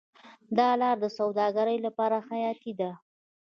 دا لاره د سوداګرۍ لپاره حیاتي ده.